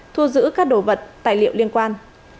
thu giữ các đồ vật tài liệu liên quan